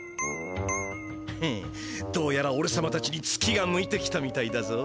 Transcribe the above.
ヘッどうやらおれさまたちにツキが向いてきたみたいだぞ。